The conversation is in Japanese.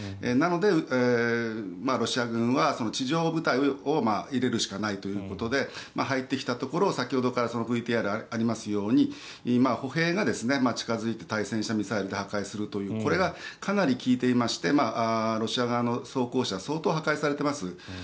なので、ロシア軍は地上部隊を入れるしかないということで入ってきたところを先ほどからＶＴＲにありますように歩兵が近付いて対戦車ミサイルで破壊するというこれがかなり効いていましてロシア側の装甲車相当破壊されています。